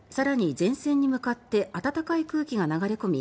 前線に向かって暖かい空気が流れ込み